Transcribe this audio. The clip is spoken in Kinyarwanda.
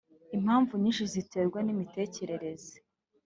Impamvu nyinshi ziterwa n’imitekerereze